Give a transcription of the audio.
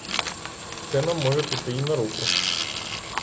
Це нам може піти й на руку.